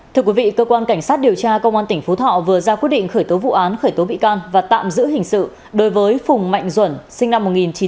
thưa quý vị cơ quan cảnh sát điều tra công an tỉnh phú thọ vừa ra quyết định khởi tố vụ án khởi tố bị can và tạm giữ hình sự đối với phùng mạnh duẩn sinh năm một nghìn chín trăm tám mươi